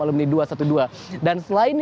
alumni dua ratus dua belas dan selain